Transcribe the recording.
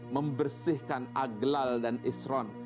membersihkan agelal dan isron